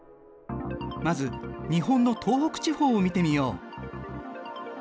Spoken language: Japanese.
まず日本の東北地方を見てみよう。